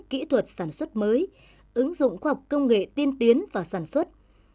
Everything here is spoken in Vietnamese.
kỹ thuật sản xuất mới ứng dụng khoa học công nghệ tiên tiến vào sản xuất